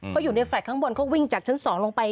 เขาอยู่ในแฟลต์ข้างบนเขาวิ่งจากชั้น๒ลงไป